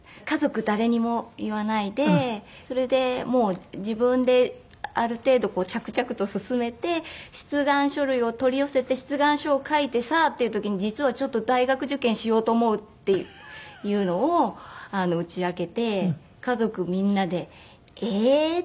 家族誰にも言わないでそれでもう自分である程度着々と進めて出願書類を取り寄せて出願書を書いてさあっていう時に実はちょっと大学受験しようと思うっていうのを打ち明けて家族みんなで「ええー？」